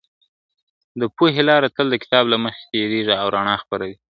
د پوهې لاره تل د کتاب له مخي تيريږي او رڼا خپروي ..